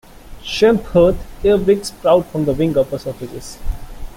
Schempp Hirth airbrakes sprout from the wing upper surfaces.